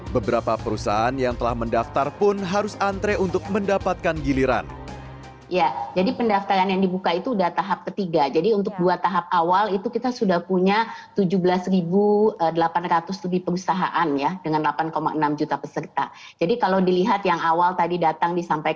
beberapa perusahaan yang telah mendaftar pun harus antre untuk mendapatkan giliran